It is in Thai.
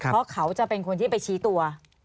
เพราะเขาจะเป็นคนที่ไปชี้ตัว